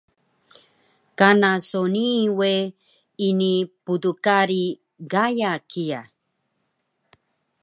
Kana so nii we ini pdkari gaya kiya